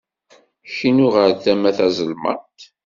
Knu ɣer tama tazelmaḍt.